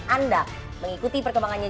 anda mengikuti perkembangannya